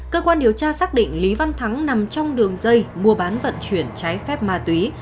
cơ quan điều tra xác định lý văn thắng nằm trong đường dây mua bán vận chuyển trái phép ma túy